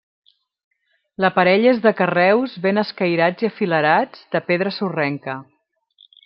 L'aparell és de carreus ben escairats i afilerats, de pedra sorrenca.